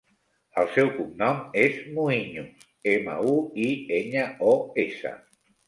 El seu cognom és Muiños: ema, u, i, enya, o, essa.